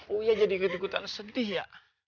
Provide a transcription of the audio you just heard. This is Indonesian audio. oh iya jadi ketikutan sedih ya